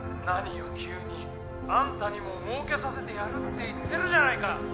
何を急にあんたにも儲けさせてやるって言ってるじゃないか！